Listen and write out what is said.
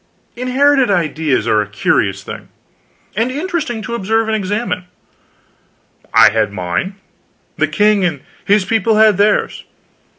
Inherited ideas are a curious thing, and interesting to observe and examine. I had mine, the king and his people had theirs.